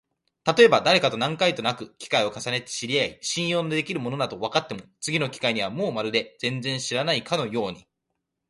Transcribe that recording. たとえばだれかと何回となく機会を重ねて知り合い、信用のできる者だとわかっても、次の機会にはもうまるで全然知らないかのように、